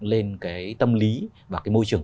lên cái tâm lý và cái môi trường